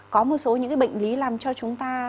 có một số những cái bệnh lý làm cho chúng ta